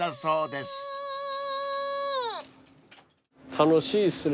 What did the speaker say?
楽しいですね。